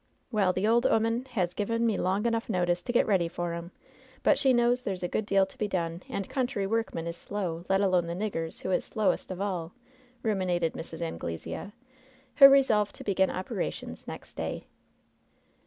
^Well, the ole 'oman has give me long enough notice to get ready for 'em ; but she knows there's a good deal to be done, and country workmen is slow, let alone the niggers, who is slowest of all," ruminated Mrs. Angle sea, who resolved to begin operations next day.